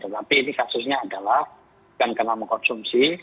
tapi ini kasusnya adalah bukan karena mengonsumsi